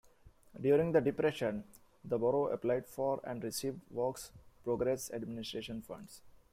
During the Depression, the borough applied for and received Works Progress Administration funds.